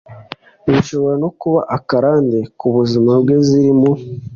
zishobora no kuba akarande ku buzima bwe zirimo